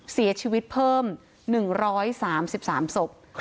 เสียชีวิตเพิ่ม๑๓๓ศพ